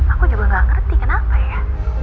aku juga gak ngerti kenapa ya